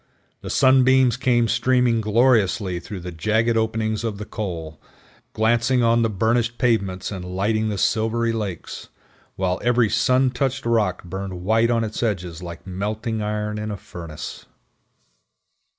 The sunbeams came streaming gloriously through the jagged openings of the col, glancing on the burnished pavements and lighting the silvery lakes, while every sun touched rock burned white on its edges like melting iron in a furnace.